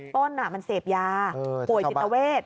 ต้นมันเสพยาป่วยจิตเวท